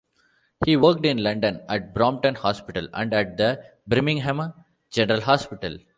He worked in London at Brompton Hospital and at the Birmingham General Hospital.